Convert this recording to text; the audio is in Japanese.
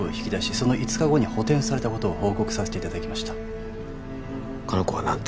その５日後に補填されたことを報告させていただきました香菜子は何て？